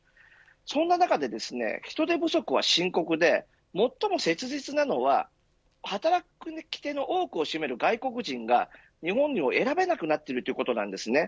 そんな中で、人手不足は深刻で最も切実なのは働き手の多くを占める外国人が日本を選ばなくなっているということなんです。